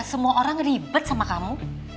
semua orang ribet sama kamu